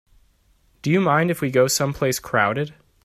Do you mind if we go someplace crowded?